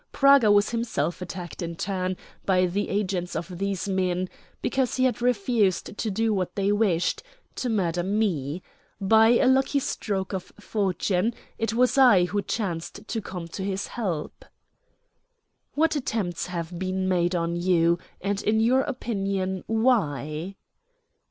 Praga was himself attacked in turn by the agents of these men, because he had refused to do what they wished to murder me. By a lucky stroke of fortune, it was I who chanced to come to his help." "What attempts have been made on you, and, in your opinion, why?"